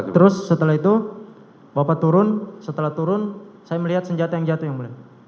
terus setelah itu bapak turun setelah turun saya melihat senjata yang jatuh yang mulia